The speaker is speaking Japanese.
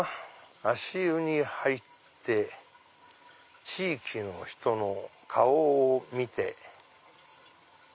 「足湯に入って地域の人の顔をみて」。